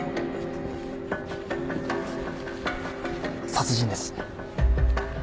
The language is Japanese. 殺人です。